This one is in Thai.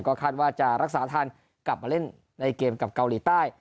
ก็คาดว่าจะรักษาทันกลับมาเล่นในเกมกับเกาหลีใต้